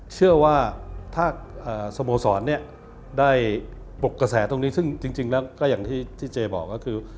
เชื่อว่าถ้าสโมสรได้ปลุกกระแสตรงนี้ซึ่งจริงแล้วก็อย่างที่เจบอกก็คือ